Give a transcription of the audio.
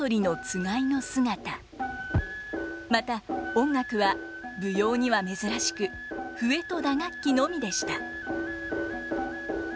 また音楽は舞踊には珍しく笛と打楽器のみでした。